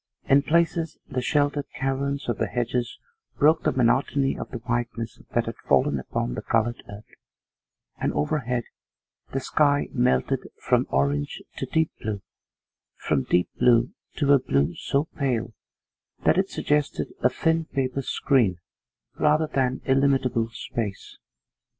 In places the sheltered caverns of the hedges broke the monotony of the whiteness that had fallen upon the coloured earth, and overhead the sky melted from orange to deep blue, from deep blue to a blue so pale that it suggested a thin paper screen rather than illimitable space.